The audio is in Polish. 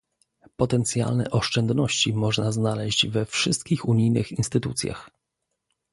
Potencjalne oszczędności można znaleźć we wszystkich unijnych instytucjach